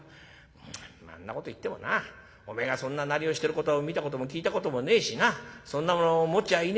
んなこと言ってもなおめえがそんななりをしてること見たことも聞いたこともねえしなそんなもの持っちゃいねえだろ？」。